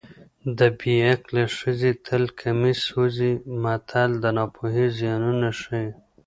د بې عقلې ښځې تل کمیس سوځي متل د ناپوهۍ زیانونه ښيي